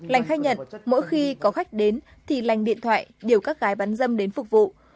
lành khai nhận mỗi khi có khách đến thì lành điện thoại điều các gái bán dâm đến phục vụ